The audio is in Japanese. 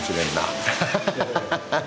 ハハハハッ。